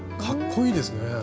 かっこいいですね。